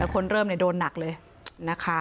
คนเริ่มโดนหนักเลยนะคะ